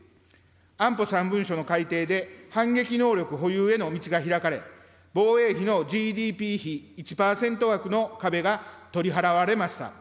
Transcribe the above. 安保３文書の改定で反撃能力保有への道が開かれ、防衛費のＧＤＰ比１％枠の壁が取り払われました。